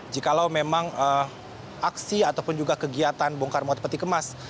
jikalau memang aksi ataupun juga kegiatan bongkar muat peti kemas